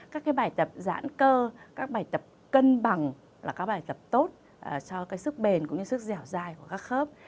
các bài tập giãn cơ các bài tập cân bằng là các bài tập tốt cho sức bền cũng như sức dẻo dài của các khớp